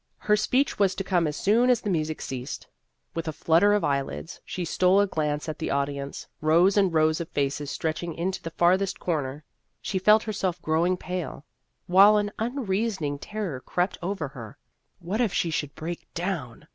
Her speech was to come as soon as the music ceased. With a flutter of eyelids, she stole a glance at the audience rows and rows of faces stretching into the far thest corner. She felt herself growing pale, while an unreasoning terror crept over her. What if she should break down